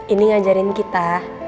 ini ngajarin kita